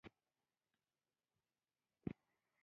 د هندوشاهیانو دوره کې هندویزم و